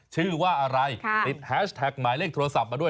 ชื่อว่าอะไรติดแฮชแท็กหมายเลขโทรศัพท์มาด้วย